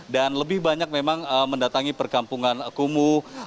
dan lebih banyak memang mendatangi perkampungan kumu